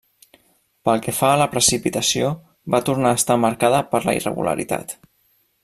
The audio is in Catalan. Pel que fa a la precipitació, va tornar a estar marcada per la irregularitat.